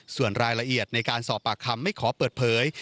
ส่วนรายละเอียดในการสอบปากคำไม่ขอเปิดเผย